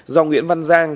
do nguyễn văn giang